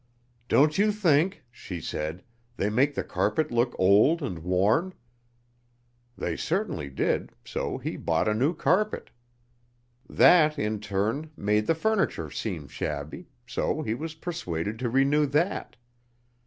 'Don't you think,' she said, 'they make the carpet look old and worn?' They certainly did, so he bought a new carpet. That in turn made the furniture seem shabby, so he was persuaded to renew that.